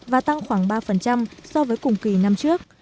và tăng khoảng ba so với cùng kỳ năm trước